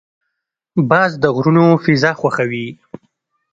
باز د غرونو فضا خوښوي